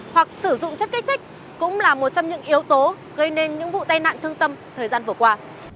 hoặc sử dụng chất kích thích cũng là một trong những yếu tố gây nên những vụ tai nạn thương tâm thời gian vừa qua